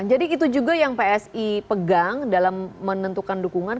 jadi itu juga yang psi pegang dalam menentukan dukungan